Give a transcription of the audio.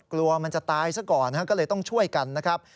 กลัวมันจะตายซะก่อนก็เลยต้องช่วยกันนะครับ